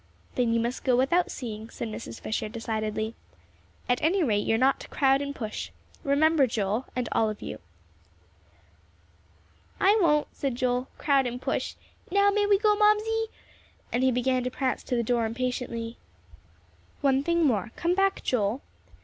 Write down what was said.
"Then you must go without seeing," said Mrs. Fisher, decidedly. "At any rate, you are not to crowd and push. Remember, Joel, and all of you." "I won't," said Joel, "crowd and push. Now may we go, Mamsie?" and he began to prance to the door impatiently. "One thing more. Come back, Joel."